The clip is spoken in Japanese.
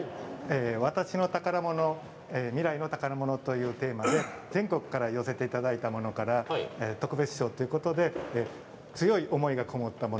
「ワタシの宝物、ミライの宝物」ということで全国から寄せていただいたものから特別賞ということで、強い思いがこもったもの